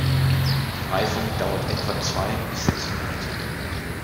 Die Reifung dauert etwa zwei bis sechs Monate.